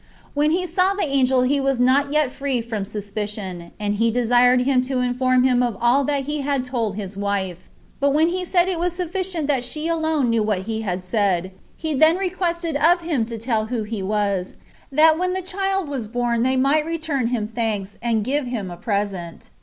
When he saw the angel he was not yet free from suspicion, and he desired him to inform him of all that he had told his wife; but when he said it was sufficient that she alone knew what he had said, he then requested of him to tell who he was, that when the child was born they might return him thanks, and give him a present.